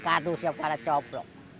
kadu siap pada coprok